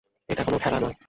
এটা কোন খেলা নয়।